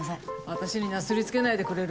私になすりつけないでくれる？